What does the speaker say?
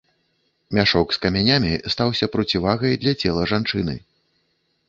Мяшок з камянямі стаўся процівагай для цела жанчыны.